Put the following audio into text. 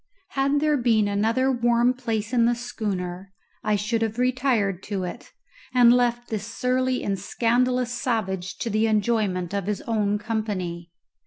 Had there been another warm place in the schooner I should have retired to it, and left this surly and scandalous savage to the enjoyment of his own company.